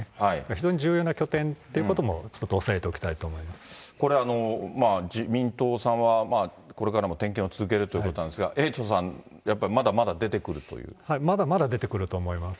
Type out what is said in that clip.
非常に重要な拠点ということも、ちょっと押さえておきたいと思いこれ、自民党さんはこれからも点検を続けるということなんですが、エイトさん、やっぱりまだまだ出てくるっていう？